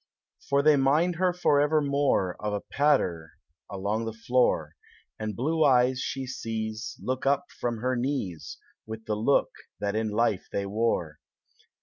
For they mind her forevermore Of a patter along the tloor; And bJue eyes she sees Look up from her knees With the look that in life they wore.